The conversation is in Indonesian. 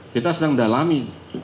kita sedang mendalami